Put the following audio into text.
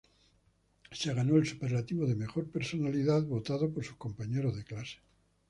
Se ganó el superlativo de "Mejor Personalidad" votado por sus compañeros de clase.